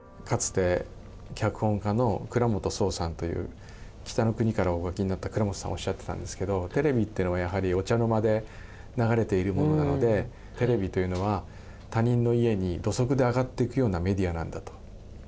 かつて脚本家の倉本聰さんという「北の国から」をお書きになった倉本さんがおっしゃってたんですけどテレビってのはやはりお茶の間で流れているものなのでテレビというのは他人の家に土足で上がっていくようなメディアなんだと。